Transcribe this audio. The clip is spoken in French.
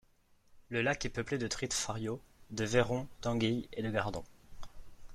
Le lac est peuplé de truites fario, de vairons, d'anguilles et de gardons.